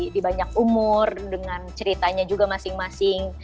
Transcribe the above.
di banyak umur dengan ceritanya juga masing masing